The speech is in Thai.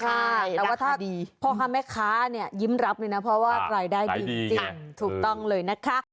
ใช่แต่ว่าถ้าพ่อค้าแม่ค้าเนี่ยยิ้มรับเลยนะเพราะว่ารายได้ดีจริงถูกต้องเลยนะคะ